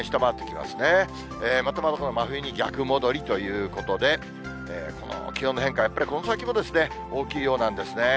また真冬のころに逆戻りということで、気温の変化、やっぱり、この先もですね、大きいようなんですね。